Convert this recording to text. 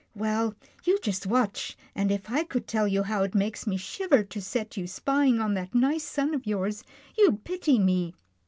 Well, you just watch, and if I could tell you how it makes me shiver to set you spying on that nice son of yours, you'd pity me.